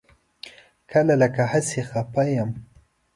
کله لکه هسې خپه یم.